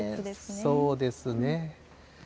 そうですね。